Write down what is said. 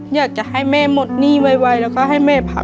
อยากจะให้แม่หมดหนี้ไวแล้วก็ให้แม่พัก